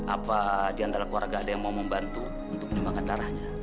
apa di antara keluarga ada yang mau membantu untuk menyumbangkan darahnya